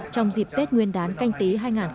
trong dịp tết nguyên đán canh tí hai nghìn hai mươi